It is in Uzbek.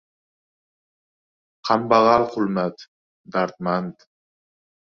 Qambag‘al Qulmat — dardmand!